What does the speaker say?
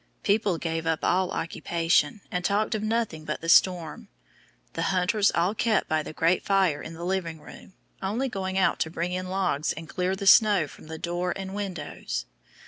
People gave up all occupation, and talked of nothing but the storm. The hunters all kept by the great fire in the living room, only going out to bring in logs and clear the snow from the door and windows.